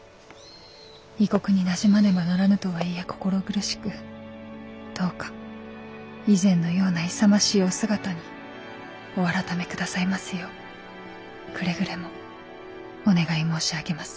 異国になじまねばならぬとはいえ心苦しくどうか以前のような勇ましいお姿にお改めくださいますようくれぐれもお願い申し上げます。